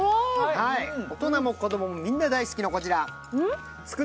大人も子供もみんな大好きなこちらつくね